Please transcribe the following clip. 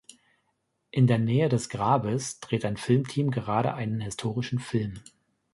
In der Nähe des Grabes dreht ein Filmteam gerade einen historischen Film.